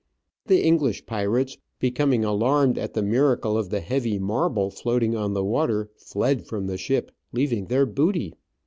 The English pirates, becoming alarmed at the miracle of the heavy marble floating on the water, fled from the ship, leaving their booty.